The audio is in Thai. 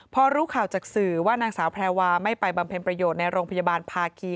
พอรู้ข่าวจากสื่อว่านางสาวแพรวาไม่ไปบำเพ็ญประโยชน์ในโรงพยาบาลภาคี